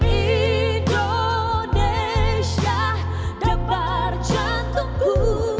indonesia debar jantuku